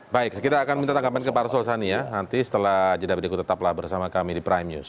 baik kita akan minta tanggapan kepada pak rasul sani ya nanti setelah jwdku tetaplah bersama kami di prime news